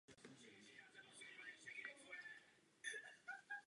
Autor velmi úspěšných učebnic a vedoucí osobnost esperantského hnutí na Slovensku.